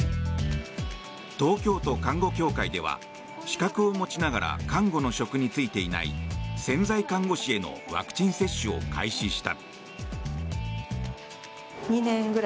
東京都看護協会では資格を持ちながら看護の職に就いていない潜在看護師へのワクチン接種を開始した。